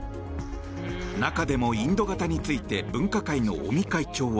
中でもインド型について分科会の尾身会長は。